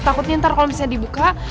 takutnya ntar kalau misalnya dibuka